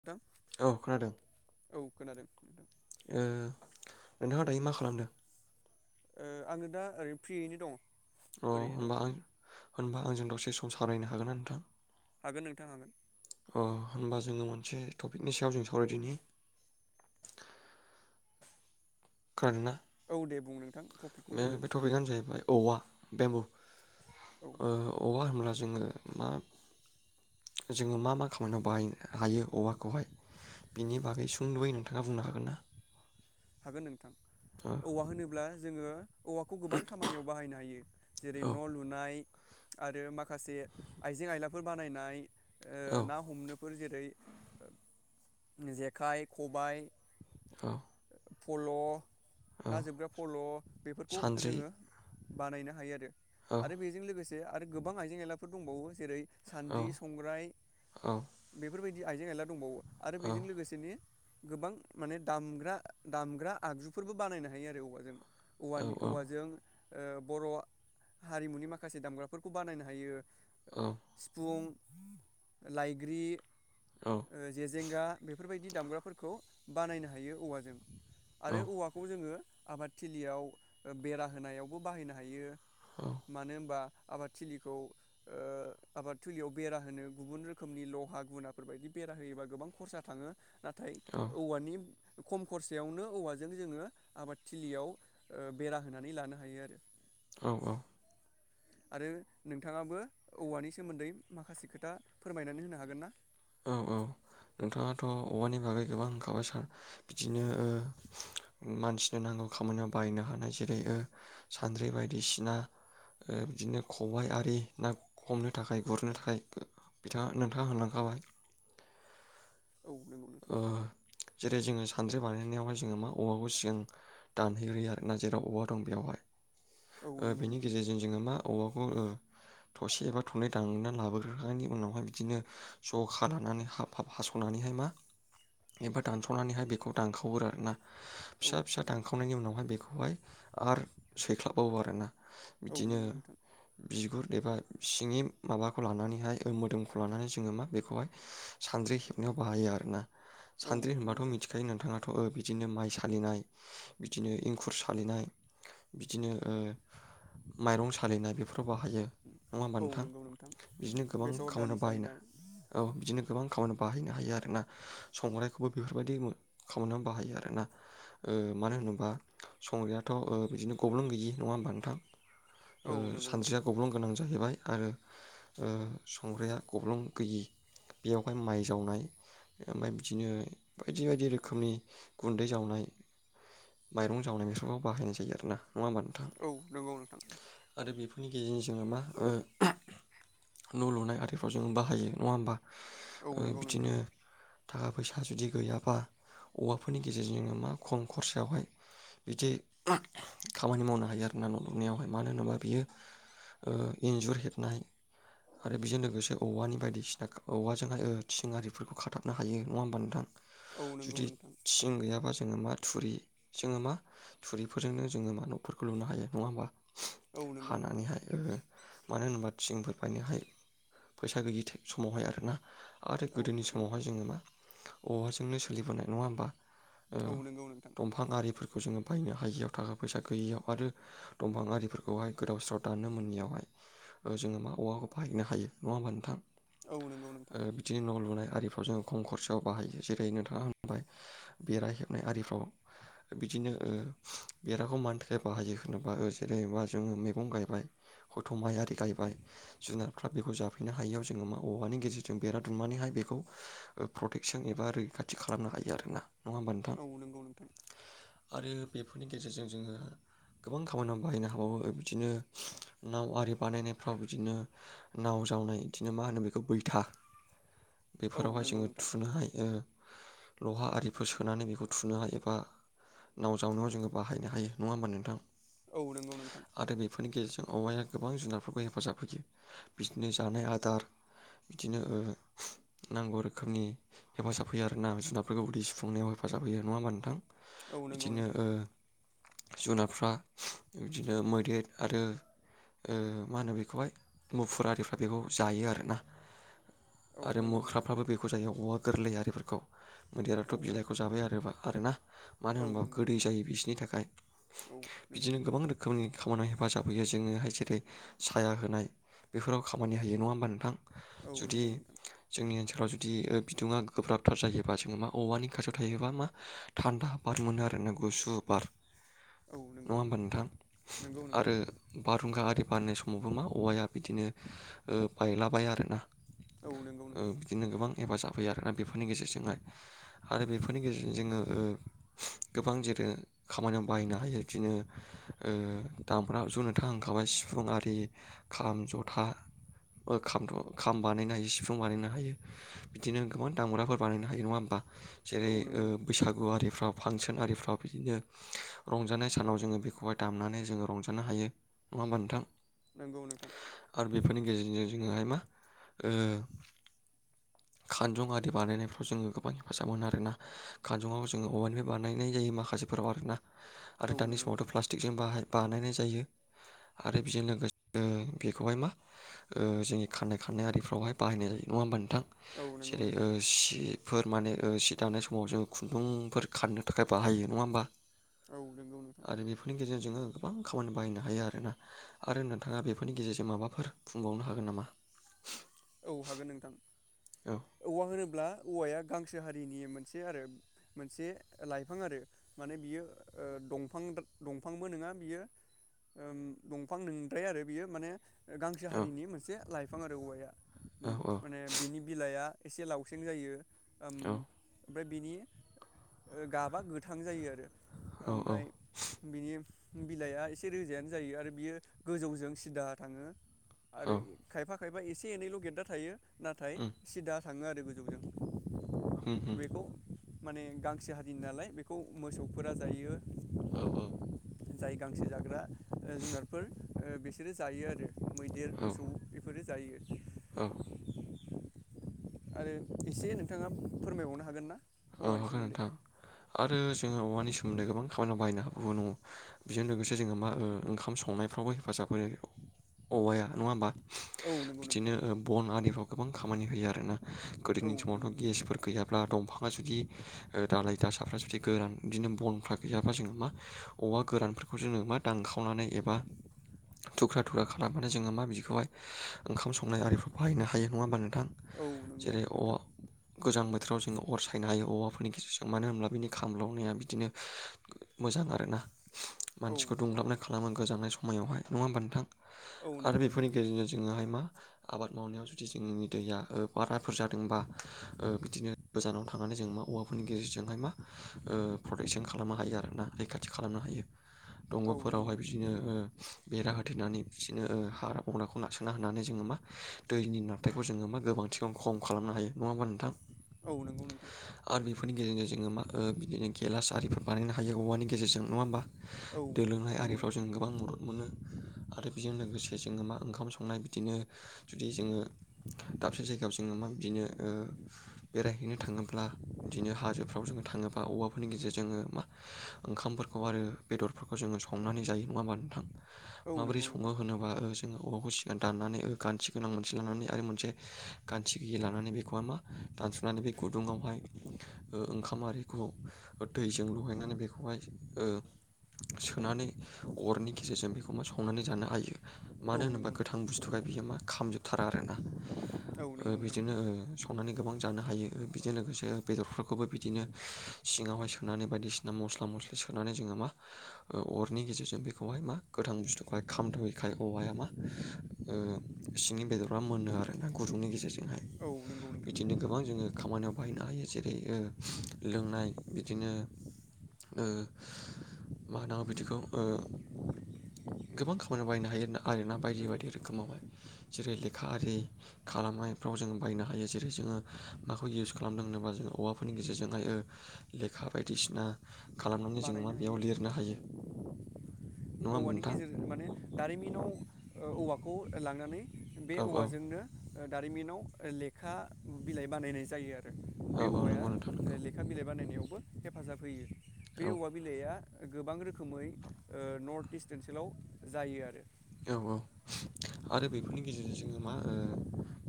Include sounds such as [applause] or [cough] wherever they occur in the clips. नोंथां औ खोनादों औ खोनादों ओ नोंथाङा दायो मा खालामदों? ओ आङो दा ओरैनो फ्रियैनो दं। अ होनबा आं होनबा आंजों दसे सम सावरायनो हागोनना नोंथां? हागोन नोंथां हागोन। अ होनबा जोङो मोनसे टपिकनि सायाव जों सावरायदिनि। खोनादोंना औ दे बुं नोंथां टपिकखौ बे बुंदो बे टपिकआनो जाहैबाय औवा बेमबु औ ओ औवा होनब्ला जोङो मा जोङो मा मा खामानियाव बाहायनो हायो औवाखौहाय बिनि बागै सुंद'यै नोंथाङा बुंनो हागोन ना हागोन नोंथां ओ औवा होनोब्ला जोङो औवा बेखौ गोबां खामानियाव बाहायनो हायो जेरै- न' लुनाय आरो माखासे आइजें आयलाफोर बानायनाय औ ओ ना हमनो बेफोर जेरै- जेखाइ खबाइ औ पल' औ ना जोबग्रा फल' बेफोरखौ सानद्रि जोङो बानायनो हायो आरो। औ आरो बेजों लोगोसे से आरो गोबां आइजें आइलाफोर दंबावो जेरै- औ सान्द्रि संग्राय औ बेफोरबाय दि आइजें आइला दंबावो आरो औ बेजों लोगोसेनो गोबां माने दामग्रा दामग्रा आगजुफोरबो बानायनो हायो आरो औवाजों औवानि औ औवाजों ओ बर' हारिमुनि माखासे दामग्राफोरखौ बानायनो हायो। औ सिफुं लाइग्रि औ ओ जेेजेंगा बेफोरबायदि दामग्राफोरखौ बानायनो हायो औवाजों आरो औवाखौ जोङो आबादथिलियाव ओ बेरा होनायावबो बाहायनो हायो मानो होमबा आबाद थिलिखौ ओ आबाद थिलियाव बेरा होनो गुबुन रोखोमनि लहा गुनाफोर बायदि बेरा होयोबा गोबां खरसा थाङो नाथाय औ औवानि खम खरसायावनो औवाजों जोङो आबादथिलियाव ओ बेरा होनानै लानो हायो आरो औ औ आरो नोंथाङाबो औवानि सोमोन्दै माखासे खोथा फोरमायनानै होनो हागोन ना औ औ नोंथाङाथ' औवानि बागै गोबां होनखाबाय सार बिदिनो ओ उम मानसिनो नांगौ खामानियाव बायनो हानाय जेरै ओ सान्द्रि बायदिसिना ओ बिदिनो खबाइ आरि ना हमनो थाखाय गुरनो थाखाय ओ बिथाङा नोंथाङा होलांखाबाय औ नों ओ जेरै जोङो सान्द्रि बानायनायावहाय जोङो मा औवाखौ सिगां दानहैग्रोयो आरो ना जेराव औवा दं बेयावहाय औ ओ नंगौ बेनि नोंथां गेजेरजों जोङो मा औवाखौ ओ थसे बा थनै दान्नानै लाबोग्रोखानायनि उनावहाय बिदिनो ज'खा लानानै हाब हाब हास'नानैहाय मा एबा दानस'नानैहाय बेखौ दानखावो आरोना औ फिसा फिसा नंगौ दानखावनायनि उनावहाय बेखौहाय आर सैख्लाबबावो आरोना औ बिदिनो नंगौ नोंथां बिगुर एबा सिंनि माबाखौ लानानैहाय मोदोमखौ लानानै जोङो मा बेखौहाय सानद्रि हेबनायाव बाहायो आरोना औ सानद्रि नंगौ होनबाथ' नोंथां मिथिखायो नोंथाङाथ' ओ बिदिनो माइ सालिनाय बिदिनो एंखुर सालिनाय बिदिनो ओ माइरं सालिनाय बेफोराव बाहायो। नङा होमबा औ नोंथां नंगौ बिदिनो गोबां बेसर दालि खामानियाव बाहायना सालिनाय औ बिदिनो गोबां खामानियाव बाहायनो हायो आरोना। संग्रायखौबो बेफोरबायदि मु खामानियावनो बाहायो आरोना ओ मानो होनोबा संग्रायाथ' ओ बिदिनो गब्लं गैयि नङा होमबा नोंथां? औ ओ नंगौ सानद्रिया नोंथां गब्लं गोनां जाहैबाय आरो ओ संग्राया गब्लं गैयि बेयावहाय माइ जावनाय ओमफाय बिदिनो बायदि बायदि रोखोमनि गुन्दै जावनाय माइरं जावनाय बेफोराव बाहायनाय जायो आरो ना। नङा होमबा नोंथां औ नंगौ नोंथां आरो बेफोरनि गेजेरजों जोङो मा ओ उमह न' लुनाय आरिफ्राव जोङो बाहायो नङा होमबा? औ ओ नंगौ बिदिनो नोंथां थाखा फैसा जुदि गैयाबा औवाफोरनि गेजेरजों जोङो मा खम खरसायावहाय इदि उमह खामानि मावनो हायो आरोना न' लुनायावहाय मानो होनोबा बियो ओ इन्जुर हेबनाय आरो बेजों लोगोसे औवानि बायदिसिना औवाजोंहाय ओ थिं आरिफोरखौ खाथाब नो हायो नङा होमबा नोंथां? औ नंगौ जुदि नोंथां थिं गैयाबा जोङो मा थुरि जोङो मा थुरिफोरजोंनो जोङो मा न'फोरखौ लुनो हायो नङा होमबा? औ नंगौ नोंथां हानानैहाय ओ मानो होनबा थिंफोर बायनोहायो फैसा गैयि समावहाय आरो ना आरो औ गोदोनि नंगौ समावहाय औवाजोंनो सोलिबोनाय नङा होमबा? ओ औ नंगौ नोंथां दंफां आरि फोर बेखौ जोङो बायनो हायियाव थाखा फैसा गैयियाव आरो दंफां आरिफोरखौहाय गोदाव सोराव दाननो मोनैयावहाय ओ जोङो मा औवाखौ बाहायनो हायो नङा होमबा नोंथां? ओ औ नंगौ नोंथां बिदिनो न' लुनाय जों खम खरसायाव बाहायो जेरै नोंथाङा होनबाय बेरा हेबनाय आरिफ्राव बिदिनो ओ बेराखौ मानि थाखाय बाहायो होनोबा जेरैबा जोङो मैगं गायबाय हथ' माइ आरि गायबाय जुनारफ्रा बेखौ जाफैनो हायियाव जोङो मा औवानि गेजेरजों बेरा दुमनानैहाय बेखौ प्रटेकसन एबा रैखाथि खालामनो हायो आरोना। नङा होमबा नोंथां औ नंगौ नोंथां आरो बेफोरनि गेजेरजों जोङो गोबां खामानियाव बाहायनो हाबावो बिदिनो नाव आरि बानायनायफ्राव बिदिनो नाव जावनाय बिदिनो मा होनो बेखौ बैथा औ बेफोरावहाय नंगौ जोङो नोंथां थुनो हायो। लहा आरिफोर सोनानै बेखौ थुनो हायो एबा नाव जावनायाव जोङो बाहायनो हायो नङा होमबा नोंथां? औ नंगौ नोंथां आरो बेफोरनि गेजेर औवाया गोबां जुनारफोरखौ हेफाजाब होयो बिदिनो जानाय आदार बिदिनो ओ नांगौ रोखोमनि हेफाजाब होयो आरोना जुनारफोरखौ उदै सुफुंनायाव हेफाजाब होयो नङा होमबा नोंथां? औ नंगौ बिदिनो नोंथां ओ जुनारफ्रा बिदिनो मैदेर आरो ओ मा होनो बेखौहाय मुफुर आरिफ्रा बेखौ जायो आरोना। औ आरो नंगौ नोंथां मोख्राफ्राबो बेखौ जायो अर गोरलैयारिफोरखौ मैदेराथ' औ बिलाइखौ जाबाय आरो आरोना मानो औ होनबा नंगौ गोदै नोंथां जायो बिसोरनि थाखाय औ नंगौ बिदिनो नोंथां गोबां रोखोमनि खामानि हेफाजाब होयो जोङोहाय जेरै साया होनाय बेफोराव खामानि होयो नङा होमबा नो थां औ जुदि नंगौ नोंथां जोंनि ओनसोलाव जुदि बिदुङा गोब्राबथार जायोबा जोङो मा औवानि खाथियाव थायोबा मा थान्दा बार मोनो आरो ना गुसु बार औ नङा नंगौ होमबा नोंथां नंगौ आरो नोंथां बारहुंखा आरि बारनाय समावबो मा औवाया बिदिनो बायलाबाया आरोना औ नंगौ ओ नोंथां बिदिनो गोबां हेफाजाब फैयो आरोना बेफोरनि गेजेरजोंहाय आरो बेफोरनि गेजेरजों जोङो गोबां जेरै खामानियाव बाहायनो हायो बिदिनो ओ दामग्रा जन्त्र थांखाबाय सिफुं आरि खाम जथा खाम बानायनो हायो सिफुं बानायनो हायो बिदिनो गोबां दामब्राफोर बानायनो हायो नङा होमबा जेरै औ ओ नंगौ नोंथां बैसागुआरिफोराव फांसन आरिफ्राव बिदिनो रंजानाय सानाव जोङो बेखौहाय दामनानै जोङो रंजानो हायो नङा होमबा नोंथां नंगौ नोंथां आरो बेफोरनि गेजेरजों जोङोहाय मा ओ खानजं आरि बानायनायफ्राव जोङो गोबां हेफाजाब मोनो आरोना खानजङआव जोङो अऔवानिफ्राय बानायनाय जायो माखासेफोराव आरो ना आरो औ दानि नंगौ समावथ' नोंथां प्लास्टिकजों बाहाय बानायनाय जायो आरो बेजों लोगोसे बेखौहाय मा जोंनि खानाय खाननाय आरिफ्रावहाय बाहानाय जायो नङा होनबा नोंथां? औ नंगौ जेरै नोंथां सि बेफोर माने सि दानाय समाव जोङो खुन्दुंफोर खाननो थाखाय बाहायो नङा होमबा? औ नंगौ नोंथां। आरो बेफोरनि गेजेरजों जोङो गोबां खामानि बाहायनो हायो आरोना आरो। नोंथाङा बेफोरनि गेजेरजों माबाफोर बुंबावनो हागोन नामा? औ हागोन नोंथां। औ औवा होनोब्ला औवाया [unintelligible] गोसो हारिनि मोनसे आरो मोनसे लाइफां आरो माने बियो दंफां- दंफांबो नङा बियो दंफां नोंद्राया आरो बियो माने गांसो औ हारिनि मोनसे लाइफां बिफां आरो औवाया औ माने बिनि बिलाइआ एसे लावसेें जायो। ओम। औ ओमफ्राय बिनि गाबा गोथां जायो। आरो औ औ ओमफ्राय बिनि बिलाइआ एसे रोजायानो जायो आरो बियो गोजौजों सिदा थाङो। औ आरो खायफा खायफा एसे एसे एनैल' गेददा थायो। नाथाय उम। सिदा थाङो आरो गोजौजों। उम उम बेखौ माने गांसो हारिनि नालाय बेखौ मोसौफोरा जायो। औ -औ। जाय गांसे जाग्रा जुनारफोर बिसोरो जायो आरो। मैदेर, औ मोसौ बेफोरो जायो। औ। आरो एसे नोंथाङा फोरमायबावनो हागोन ना? औ औवानि हागोन सोमोन्दै नोंथां आरो जोङो औवानि [unintelligible] [unintelligible] गोबां खामानियाव बाहायनो हाबावो‌ न'? बेजों लोगोसे जोङो मा ओंखाम संनायफ्रावबो हेफाजाब होनो औवाया। नङा होमबा? औ नंगौ बिदिनो नोंथां ओ बन आरिफ्राव गोबां खामानि होयो आरोना। औ गोदोनि नंगौ समावथ' नोंथां गेसफोर गैयाब्ला दंफां [unintelligible] दालाय- दासाफ्रा जुदि गोरान बिदिनो बनफ्रा गैयाबा जोङो मा औवा गोरानफोरखौ जोङो मा दानखावनानै एबा थुख्रा-थुख्रा खालामनानै जोङो मा बिदिखौहाय ओंखाम संनाय आरिफ्र बाहायनो हायो। नङा होमबा नोंथां? औ नंगौ जेरै औवा नोंथां गोजां बोथोराव जोङो अर सायनो हायो औवाफोरनि गेजेरजों मानो होनब्ला बिनि खामलावनाया बिदिनो मोजां आरोना? औ मानसिखौ नंगौ दुंलाबनाय नोंथां खालामो गोजांनाय स मायावहाय, नङा होमबा नोंथां? औ आरो नंगौ बेफोरनि नोंथां गेजेरजों जोङोहाय मा, आबाद मावनायाव जुदि जोंनि दैया ओ बाराफोर जादोंबा ओ बिदिनो, गोजानाव थानानै जों मा औवाफोरनि गेजेरजोंहाय मा ओ प्रटेकसन खालामनो हायो आर ना रैखाथि खालामनो हायो। औ नंगौ दंग'फोरावहाय नोंथां बिदिनो ओ, बेरा होथेरनानै बिदिनो ओ हाग्रा बंग्राखौ नारसोना होनानै जोङो मा दैनि नाराथायखौ जोङो मा गोबांथिखौ खम खालामनो हायो। नङा होमबा नोंथां? औ, नोंगौ नोंथां। आरो बेफोरनि गेजेरजों जोङो मा ओ बिदिनो गेलास आरिफोर बानायनो हायो औवानि गेजेरजों, नङा होमबा? औ दै लोंनाय नंगौ आरिफ्राव जों नोंथां गोबां मदद मोनो आरो बेजों लोगोसे जोङो मा ओंखाम संनाय बिदिनो जुदि जोङो दाबसे जायगायाव जोङो मा बिदिनो ओ बेरायहैनो थाङोब्ला बिदिनो हाजोफ्राव जोङो थाङोब्ला औवाफोरनि गेजेरजोंङो मा ओंखामफोरखौ आरो बेदरफोरखौ जोङो संनानै जायो। नङा होमबा नोंथां? औ माबोरै नंगौ नोंथां सङो होनोबा ओ जोङो औवाखौ सिगां दाननानै गान्थि गोनां मोनसे लानानै आरो मोनसे गान्थि गियि लानानै बेखौहाय मा, दानस'नानै बे गुदुङावहाय ओंखाम आरिखौ दैजों लगायनानै बेखौहाय ओ सोनानै अरनि गेजेरजों बेखौ मा संनानै जानो हायो। औ नंगौ नोंथां औ मानो नंगौ नोंथां औ नंगौ होनोबा गोथां नोंथां बुस्थुखाय बियो मा खामजोबथारा आरोना, ओ बिदिनो ओ संनानै गोबां जानो हायो। बिजों लोगोसे बेदरफोरखौबो बिदिनो सिङावहाय सोनानै बायदिसिना मस्ला-मस्लि सोनानै जोङो मा अरनि गेजेरजों बेखौहाय मा गोथां बुस्थुखौहाय खामद'यैखाय औवाया मा ओ सिंनि बेदरा मोनो आर ना गुदुंनि गेजेरजोंहाय। औ, नोंगौ नोंथां। बिदिनो गोबां जोङो खामानियाव बायनो हायो। जेरै ओ लोंनाय बिदिनो ओ मा होननांगौ बिदिखौ ओ गोबां खामानियाव बायनो हायो आरो ना बायदि ओ बायदि रोखोमावहाय जेरै- लेखा आरि खालामनायफ्राव जों बायनो हायो जेरै जोङो माखौ इउस खालामदों होनोबा जोङो औवाफोरनि गेजेरजोंहाय ओ लेखा बायदिसिना खालामनानै जोङो मा बानायनो बेयाव हायो लिरनो हायो। नङा होमबा औवानि नोंथां गेजेरजों माने दारिमिनाव ओ औवा, खौ लांनानै बे औ औ औवाजोंनो, ओ दारिमिनाव लेखा बिलाइ बानायनाय जायो आरो औ औ नंगौ नोंथां नंगौ, बो हेफाजाब होयो बे औ औवा बिलाइआ गोबां रोखोमै ओ, नर्थ इस्ट ओनसोलाव जायो आरो औ औ आरो बेफोरनि गेजेरजों जोङो मा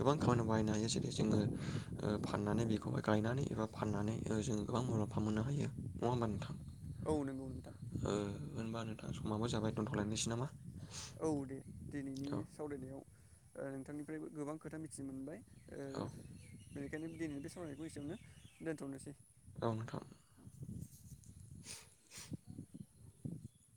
गोबां खामानि बाहायनो हायो जेरै जोङो ओ फाननानै बेखौहाय गायनानै एबा फाननानै ओ जोङो गोबां मुलाम्फा मोननो हायो नङा होमबा नोंथां, औ नंगौ नोंथां ओ होनबा नोंथां समाबो जाबाय दोनथ'लायनोसै नामा औ दे दिनैनि औ सावरायनायाव, नोंथांनिफ्रायबो गोबां खोथा मिथिनो मोनबाय, ओ औ बेनिखायनो दिनै बे सावरायनायखौ एसेयावनो दोन्थ'नोसै। औ नोंथां